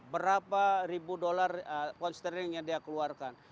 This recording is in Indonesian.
berapa ribu dolar pound sterling yang dia keluarkan